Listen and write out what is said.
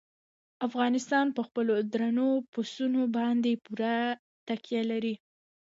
افغانستان په خپلو درنو پسونو باندې پوره تکیه لري.